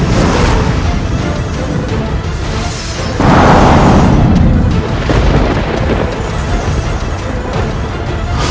jangan lupa share dan subscribe